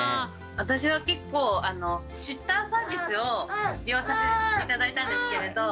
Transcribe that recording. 私は結構シッターサービスを利用させて頂いたんですけれど。